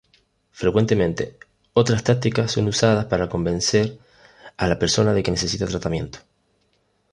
Frecuentemente, otras tácticas son usadas para convencer a la persona de que necesita tratamiento.